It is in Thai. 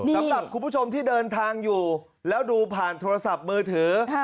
สำหรับคุณผู้ชมที่เดินทางอยู่แล้วดูผ่านโทรศัพท์มือถือ